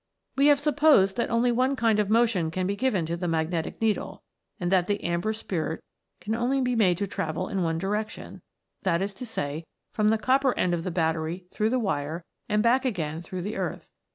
We have supposed that only one kind of motion can be given to the magnetic needle, and that the Amber Spirit can only be made to travel in one direction, that is to say, from the copper end of the battery through the wire, and back again through the earth.